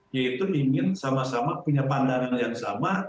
yaitu ingin sama sama punya pandangan yang sama